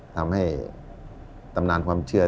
ทำให้ตำนานความเชื่อ